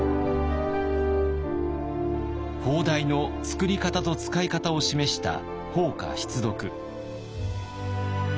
砲台の作り方と使い方を示した「砲家必読」。